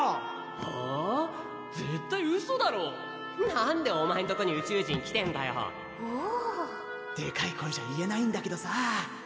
絶対ウソだろなんでお前んとこに宇宙人来おぉでかい声じゃ言えないんだけどさ